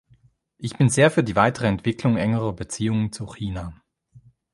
Ich bin sehr für die weitere Entwicklung engerer Beziehungen zu China.